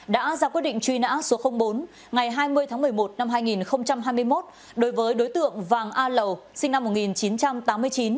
đã ra quyết định truy nã số bốn ngày hai mươi tháng một mươi một năm hai nghìn hai mươi một đối với đối tượng vàng a lầu sinh năm một nghìn chín trăm tám mươi chín